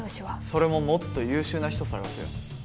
それももっと優秀な人探すよ